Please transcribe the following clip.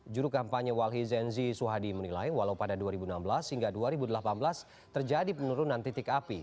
juru kampanye walhi zenzi suhadi menilai walau pada dua ribu enam belas hingga dua ribu delapan belas terjadi penurunan titik api